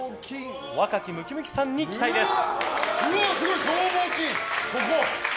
若きムキムキさんに期待です。